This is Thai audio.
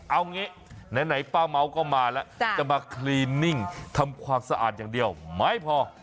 เอางี้ไหนป้าเม้าก็มาแล้วจะมาคลีนิ่งทำความสะอาดอย่างเดียวไม่พอ